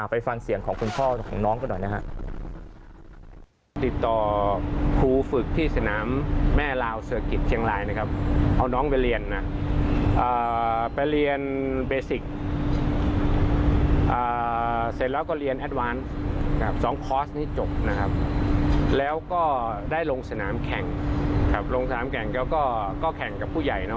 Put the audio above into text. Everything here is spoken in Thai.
ไปฟังเสียงของคุณพ่อของน้องกันหน่อยนะครับ